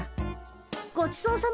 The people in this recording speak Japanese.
ごちそうさま。